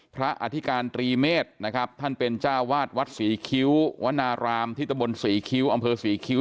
พระอธิการตรีเมษย์ท่านเป็นจ้าวาทวัดสี่คิ้ววันนารามที่ตะบลสี่คิ้ว